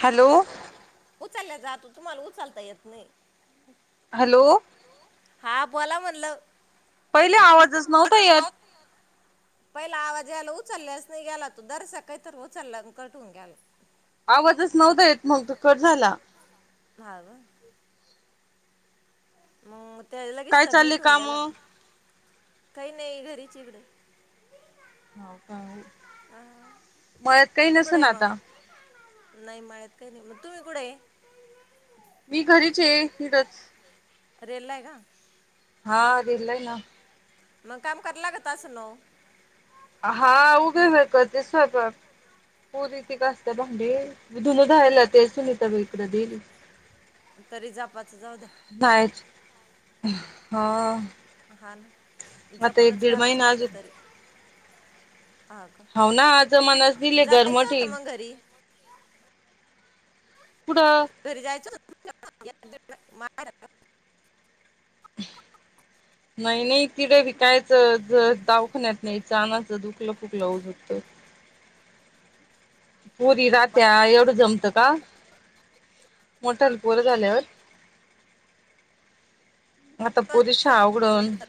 Hello उचलल्या जातो तुंम्हाला उचलता येत नई हॅलो हा बोला म्हणल पहिले आवाजच नव्हता येत पहिला आवाज यायला उचलल्यास नाही गेला तो जरासा काहीतरी उचलला अन कट होउन गेला. आवाजच नव्हता येत मग तो कट झाला. हा म मग? त्याच्यालगी काय चालले सबमिट होऊन काम गेला हो काही नाही घरीचे इकड हो का मळ्यात काही तुम्ही कुठे नसन आहे आता मग नाही मळ्यात काही नाही म तुंम्ही कुडय? मी घरीचे इडच रेल्लाये का? हा दिलय ना मग काम करा लागत तस न ओ हा उभेउभ्या करते स्वयंपाक पूरी त्या घासत्या भांडे मि धुण धुवायला जाते सुनीता बाईकडं देना तरी जपाचं जाऊ द्या [unintelligible] ह हा जपूनच करायचं महिना म्हणलं तरी हा का होय ना जमानाज दिले जायचं गरमाटे होतं मग घरी कुठं घरी जायचं [inaudible] नाही नाही तिडे बी काय त दवाखान्यात न्यायच आणायच दुखल खुपल उगाच पुरी रात्या एवढं जमतं का मोठ्याले पोर झाल्यावर आता पोरीची शाळा उघडण नंतर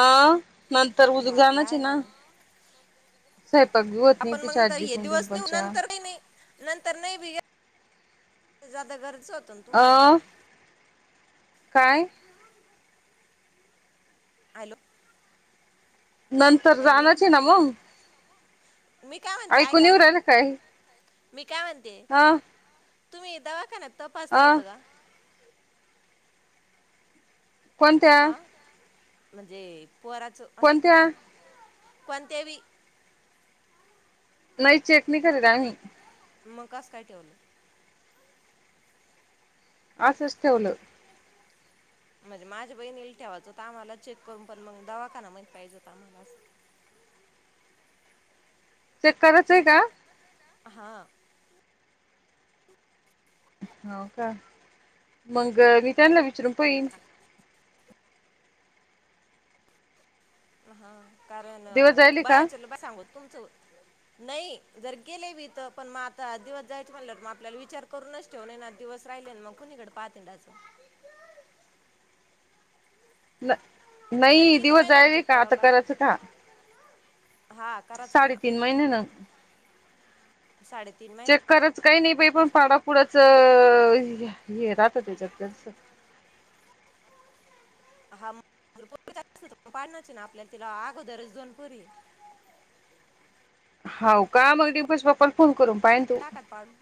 अ नंतर उजूक हा ते जाणच आहे येना म्हणा स्वयंपाक बी होत नई आपण मग तिच्या नंतर आज्जी हे कुन दिवस नेऊ डिंपलच्या नंतर काही नाही नंतर नई बाई जात गर अस होत तुंम्हाला? अ काय? आयलो नंतर जाणचेना मंग मी काय म्हणते ऐकू ला ऐका एउ राहीलय काय मी काय म्हणते? अ तुम्ही दवाखान्यात अ तपासल होत का कोणत्या आ म्हणजे पोराच अस कोणत्या कोणत्या बी नाइ चेक नाय करत आम्ही मग अस काय ठेवलं असंच ठेवल म्हणजे माझ्या बहीणील ठेवायचं होत आम्हाला चेक करून पण मग दवाखाना माहीत पाहिजे होता आम्हाला असं ते करायच का हा हो का मंग मी त्यांनला विचारून पाहिन हा कारण दिवस जायले का? बाहेरच्याला काय सांगू तुमच नाइ जर गेले वित तर पण मग आता दिवस जायचे म्हणल मग आपल्याला विचार करूनच ठेवून ना आ दिवस राहिले ना मग कुणीकडे पाहत हिंडायचं ल [unintelligible] नइ किती दिवस महिन्यांनी झाइले चेक का करावं आता लागत करायचं का हा करायचं आहे ना साडेतीन महिन्यांन साडेतीन चेक करायचं काही नाही बाई पण महिन्याच पाडा पुढचं अ ये राहत त्याच्यात ना हा पोरीचं असलं तर पाडण्याची तिला अगोदरच दोन पोरी हाव का मग पोरी डिंपलच्या पप्पाला फोन फोन करून पहा ना तू टाकात पाडून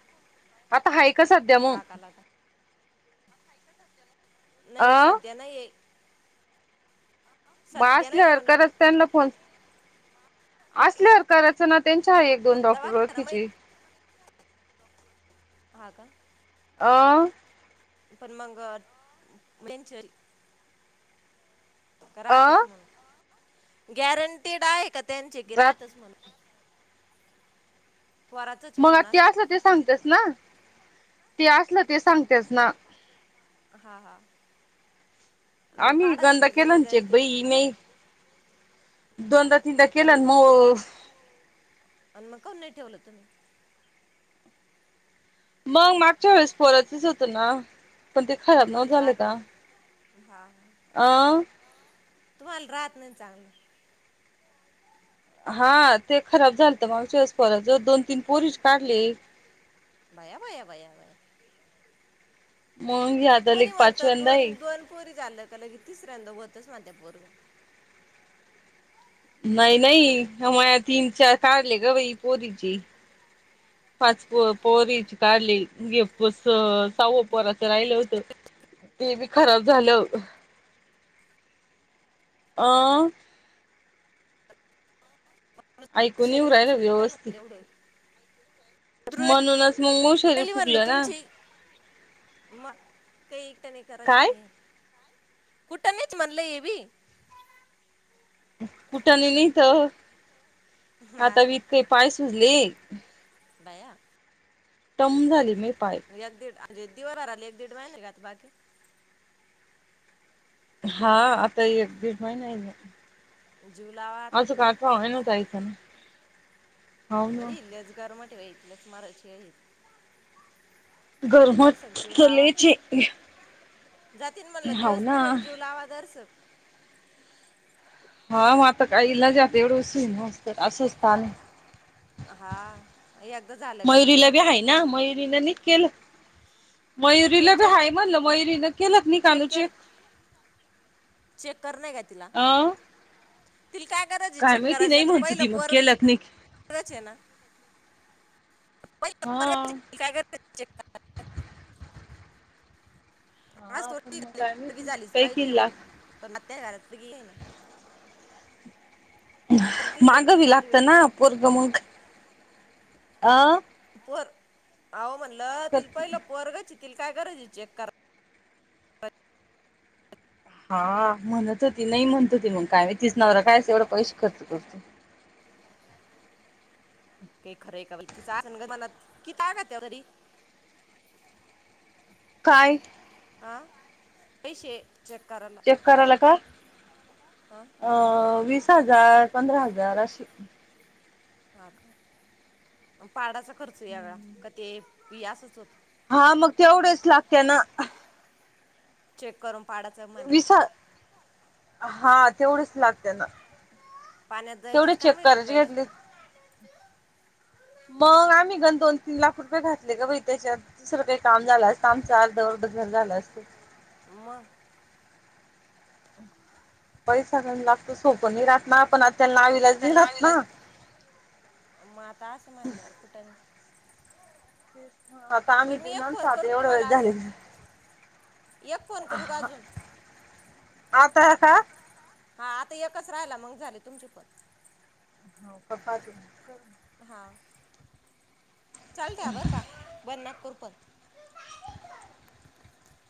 आता आहे का सध्या मग काकाला का नाही आ सध्या नाही आहे मग सध्या नाही आहे असल्यावर म्हणलं करायचं त्यांना फोन असल्यावर कराचना त त्यांचे आहे एक पण दोन मग डॉक्टर दवाखाना माहित ओळखीचे हा का अ पण मग त्यांचे कर अ आताच मग गॅरंटेड आहे त्यांचे गि जात रातच मण पोराचंच आहे मग म्हणून ते असं अस सांगतच ना ते असलं ते सांगतेच ना हा हा आणि मग आम्ही काढायची गंदा बी केला न जिम्मेदारी चेक ते बाई नइ दोनदा तीनदा पण केलं मोग आणि मग काऊन नाही ठेवलं तुम्ही मग मागच्या वेळेस पोराचच होत ना? पण ते खराब नव्ह तुम्हाला झाले राहत का? नाही हा अ.. तुम्हाला राहत नाही चांगलं. हा ते खराब झालतं, मागच्या वेळेस दोन-तीन पोरीस काढले. बया बया बया बया! मग हे आता लेक कोणी म्हणतं पाचव्यांदा आहे दोन-दोन पोरी झाल्या की लगेच तिसऱ्यांदा व्हतं. [unintelligible] नाही नाही माया तीन चार काढले ग बाई! पोरीचे पाच पो पोरीचे काढलेे हे सहाव पोराच राहिलं होत ते बी खराब झालं. अ! तुझ ऐकून येऊ शरीर राहिलं सुटायला व्यवस्थित लागल एवढं सुटून म्हणूनच मउ शरीर फुगलं ना. म कइ नी कराची काय नइ. कुटानेच म्हणलं हे बी [unintelligible] [inaudible] हा [unintelligible] ली बया.. टम्म झालीत यात दीड अ रेदीवर आराले एक-दीड महिने कात बाकी हा आता एक दीड महिना ये मी जीव लावा आता [unintelligible] [unintelligible] हो ना [unintelligible] इथल्याच माराची आहेत. गरमच दर्शक जीव लावा केलेचे ते जातीन म्हणलं दिवस निघून जीव लावा जरसं हा मग आता काई इलाज आता एवढं [unintelligible] असूसतान हा! एकदा झालं का मग मयुरीला जाय बी आहे तिकडं मग. ना मयुरीनं नाही केलं तिने मयुरीला बी चेक हाय म्हणलं मयुरीन केल की नाही कानू चेक चेक कर नाही का तिला? अ [inaudible] तिला काय गरजये काय चेक माहिती करायची नाही आता म्हणत पहिलं ती मग केलंत नाही पोरच हे ना? पहिलं हा पोरगच आहे, काय करायची करायची? आज हा थोडी पण म झाली, काय माहिती काही किल्ला [unintelligible] द घे ना करतीन बाई मांग ती बी चालू लागत आहे ना चेक पोरग मग अ आहो म्हण ल तील पाहिलं पोरगं चि तिल काय गरज आहे चेक करा हा म्हणत होती नाही म्हणत होती मग काय म तिच नवरा कायच एवढं पैश खर्च करतो... काही खरं आहे का बाई तिच असणं ग मनात [unintelligible] काय? हा पैशे चेक कराला काय हा अ वीस दहा हजार पंधरा हजार अशी हा का? पाडाचा खर्च येगळा का ते बी असच होत हा मग तेवढेच लागते ना हा... चेक करन विसा हा तेवढच लागते ना पाण्यात तेवढे जायचेच चेक कामय बाई करायचे घेतले. पैसे मग आम्ही गण दोन तीन लाख रुपये घातले ग बाई त्याच्यात दुसरं काही काम झालं असतं आमचा अर्ध वर्ध घर झालं असत. म पैसा गंज लागतो सोप नाही राहात न पण आत...... त्या नाविलाज म आता अस म्हनल्यावर कुठ तेच ना आता आम्ही बरं मी देऊ एक फोन नाच करू का एवढा वेळ तुम्हाला झाले अजून एक फोन करू का हा अजून आता का हा आता एकच राहिला मग झाले तुमचे पण हौका पाचच क [unintelligible] हा चालत्या बरं का बंद नका करू.... पण तु जा तिथून